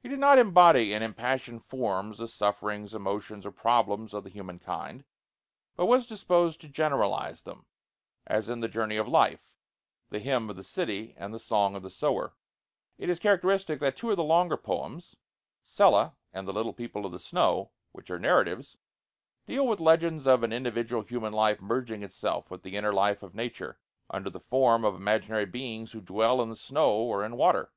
He did not embody in impassioned forms the sufferings, emotions, or problems of the human kind, but was disposed to generalize them, as in 'The Journey of Life,' the 'Hymn of the City,' and 'The Song of the Sower,' it is characteristic that two of the longer poems, 'Sella' and 'The Little People of the Snow,' which are narratives, deal with legends of an individual human life merging itself with the inner life of nature, under the form of imaginary beings who dwell in the snow or in water.